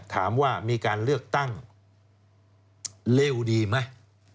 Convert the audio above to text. ถามว่ามีการเลือกตั้งเร็วดีไหม